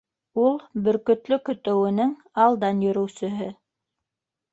Ул Бөркөтлө көтөүенең алдан йөрөүсеһе.